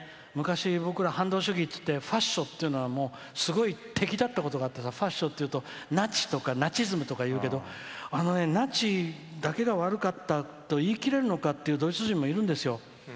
昔、僕ら反動主義って行ってファッショっていうのはすごい敵だったことがあってファッショっていってナチとかナチズムっていうけどナチだけが悪かったと言い切れるのかっていうドイツ人もいるんですよ。